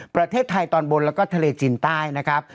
ประเทศไทยตอนบนแล้วก็ทะเลจีนใต้นะครับ